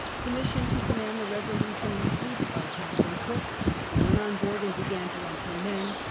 Commission to command the lUsoluiioti received by Captain Cook. He went on board and began to enter men.